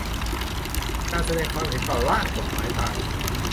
การแสดงความเห็นต่อร่างกฎหมายต่าง